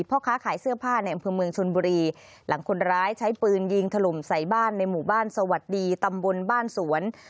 พ่อค้าขายเสื้อผ้าในอำเภอเมืองชนบุรีหลังคนร้ายใช้ปืนยิงถล่มใส่บ้านในหมู่บ้านสวัสดีตำบลบ้านสวน